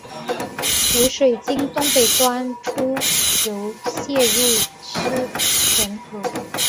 湖水经东北端出流泄入狮泉河。